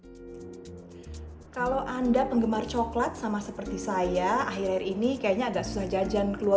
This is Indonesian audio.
kalau anda penggemar coklat sama seperti saya akhir akhir ini kayaknya agak susah jajan keluar